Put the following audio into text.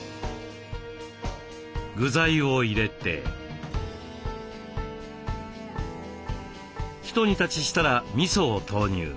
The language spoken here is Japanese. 具材を入れてひと煮立ちしたらみそを投入。